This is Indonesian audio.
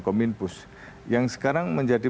komit pus yang sekarang menjadi